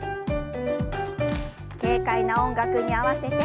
軽快な音楽に合わせて。